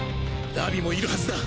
荼毘もいるはずだ。